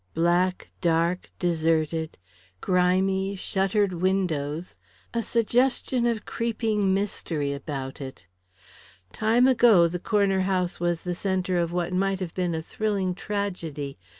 Black, dark, deserted, grimy shuttered windows a suggestion of creeping mystery about it. Time ago the Corner House was the centre of what might have been a thrilling tragedy.